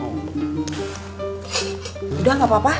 udah gak apa apa